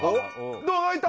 ドア開いた。